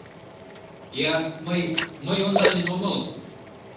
Я... мый... мый ондален омыл...